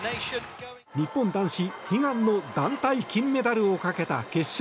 日本男子、悲願の団体金メダルをかけた決勝。